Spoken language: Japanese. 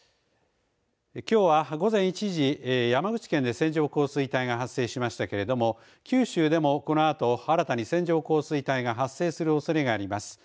きょうは午前１時山口県で線状降水帯が発生しましたけれども九州でもこのあと新たに線状降水帯が発生するおそれがあります。